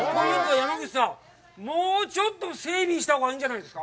山口さん、もうちょっと整備したほうがいいんじゃないですか？